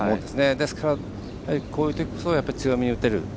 ですから、こういうときこそ強めに打てる。